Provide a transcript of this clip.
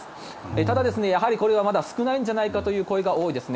ただこれはまだ少ないんじゃないかという声が多いですね。